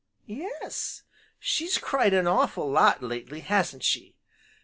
"Yes; she's cried an awful lot lately, hasn't she?